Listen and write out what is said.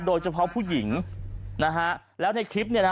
โดยเฉพาะผู้หญิงนะฮะแล้วในคลิปเนี่ยนะ